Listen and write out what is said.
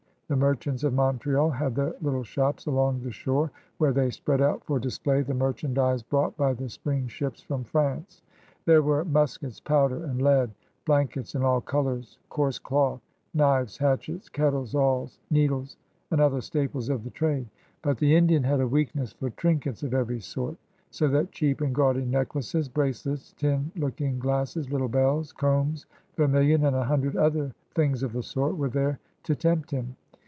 The merchants of Montreal had their little shops along the shore where they fifpread out for display the merchandise brought by the spring ships from France. There were muskets, powder, and lead, blankets in all colors, coarse doth, knives, hatchets, kettles, awls, needles, and other staples of the trade. But the Indian had a weakness for trinkets of every sort, so that cheap and gaudy necklaces, bracelets, tin looking glasses, little bells, combs, vermilion, and a hundred other things of the sort were there to tempt him.